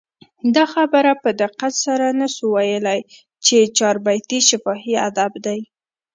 دا خبره په دقت سره نه سو ویلي، چي چاربیتې شفاهي ادب دئ.